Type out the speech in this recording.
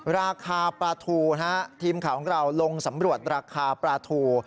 ราคาปลาทูทีมข่าวของเราลงสำรวจราคาปลาทู